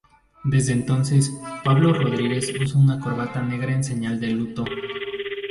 Desde entonces, Pablo Rodríguez usa una corbata negra en señal de luto.